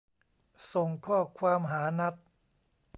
ส่งข้อความหานัท